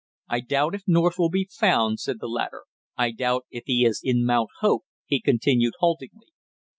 "I doubt if North will be found," said the latter. "I doubt if he is in Mount Hope," he continued haltingly.